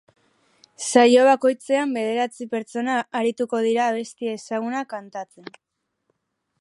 Saio bakoitzean, bederatzi pertsona arituko dira abesti ezagunak kantatzen.